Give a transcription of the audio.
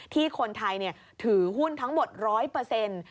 ที่คนไทยถือหุ้นทั้งหมดร้อยเปอร์เซ็นต์